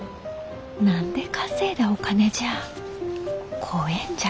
何で稼いだお金じゃ？